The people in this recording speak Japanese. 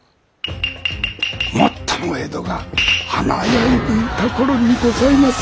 もっとも江戸が華やいでいた頃にございます。